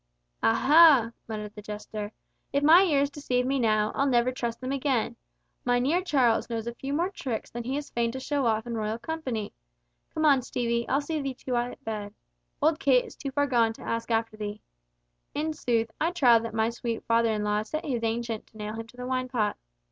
"Ah ha!" muttered the jester, "if my ears deceive me now, I'll never trust them again! Mynheer Charles knows a few more tricks than he is fain to show off in royal company. Come on, Stevie! I'll see thee to thy bed. Old Kit is too far gone to ask after thee. In sooth, I trow that my sweet father in law set his Ancient to nail him to the wine pot.